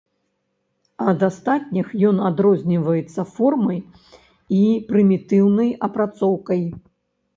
Ад астатніх ён адрозніваецца формай і прымітыўнай апрацоўкай.